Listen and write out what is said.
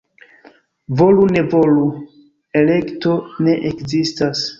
Volu-ne-volu — elekto ne ekzistas.